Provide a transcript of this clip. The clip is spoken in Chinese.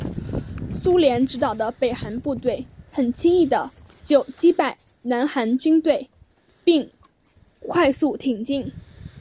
苏联指导的北韩部队很轻易的就击败南韩军队并快速挺进。